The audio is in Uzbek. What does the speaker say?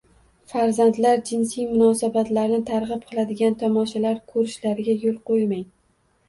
Farzandlar jinsiy munosabatlarni targ‘ib qiladigan tomoshalar ko‘rishlariga yo‘l qo‘ymang.